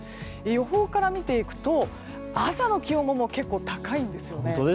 予報から見ていくと朝の気温も結構、高いんですね。